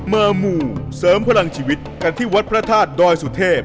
มูเสริมพลังชีวิตกันที่วัดพระธาตุดอยสุเทพ